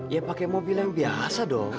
ya pakai mobil yang biasa dong